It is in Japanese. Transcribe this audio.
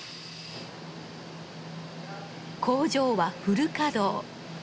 工場はフル稼働。